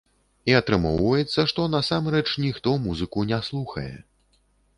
І атрымоўваецца, што насамрэч ніхто музыку не слухае.